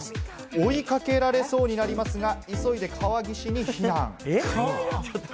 追いかけられそうになりますが、急いで川岸に避難。